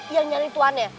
yang nyari tuannya